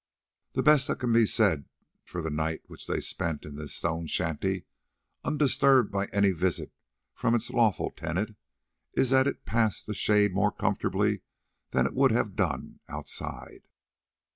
The best that can be said for the night which they spent in this stone shanty, undisturbed by any visit from its lawful tenant, is that it passed a shade more comfortably than it would have done outside.